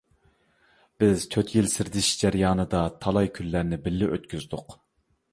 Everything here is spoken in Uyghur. بىز تۆت يىل سىردىشىش جەريانىدا تالاي كۈنلەرنى، بىللە ئۆتكۈزدۇق.